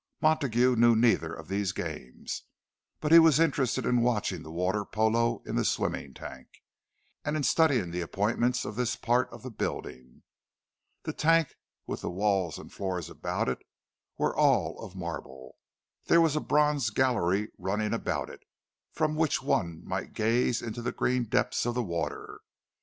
Montague knew neither of these games, but he was interested in watching the water polo in the swimming tank, and in studying the appointments of this part of the building. The tank, with the walls and floor about it, were all of marble; there was a bronze gallery running about it, from which one might gaze into the green depths of the water.